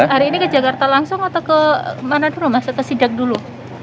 hari ini ke jakarta langsung atau ke mana dulu mas atau sidak dulu